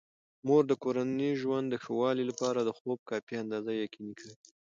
مور د کورني ژوند د ښه والي لپاره د خوب کافي اندازه یقیني کوي.